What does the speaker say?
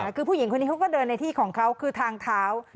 คือผู้หญิงคนนี้เขาก็เดินในที่ของเขาคือทางเท้า